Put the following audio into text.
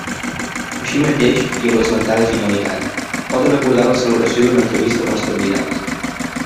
Així mateix i amb l'esmentada finalitat, poden acordar la celebració d'una entrevista amb els candidats.